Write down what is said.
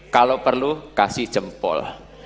kalau perlu kasih jempol